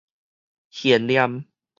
懸念